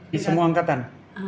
di semua angkatan